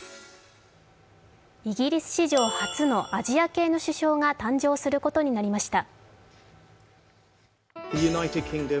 イギリス史上初のアジア系の首相が誕生することになりました。